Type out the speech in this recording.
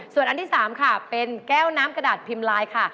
ส่วนอันที่๓ค่ะเป็นแก้วน้ำกระดาษพิมพ์ลายค่ะ